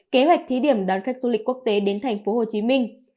kế hoạch thí điểm đón khách du lịch quốc tế đến thành phố hồ chí minh